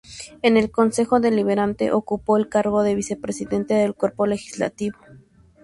En el Concejo Deliberante ocupó el cargo de vicepresidente del cuerpo legislativo.